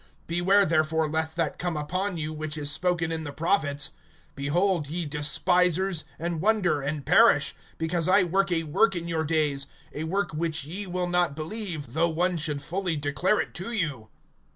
(40)Beware therefore, lest that come upon you, which is spoken in the prophets: (41)Behold, ye despisers, and wonder, and perish; Because I work a work in your days, A work which ye will not believe, Though one should fully declare it to you.